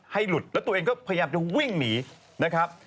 ให้หลุดแล้วตัวเองก็พยายามจะวิ่งหนีนะครับ